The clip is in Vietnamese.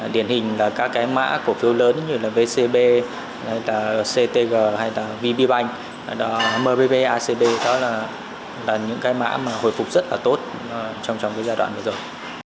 điển hình là các cái mã cổ phiếu lớn như là vcb ctg hay là vb banh mbba acb đó là những cái mã mà hồi phục rất là tốt trong cái giai đoạn này rồi